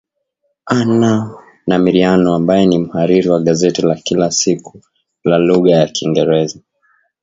Anna Namiriano ambaye ni mhariri wa gazeti la kila siku la lugha ya kiingereza